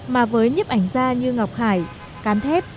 mà với nhiếp ảnh gia như ngọc hải cán thép